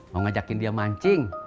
mau ngajakin dia mancing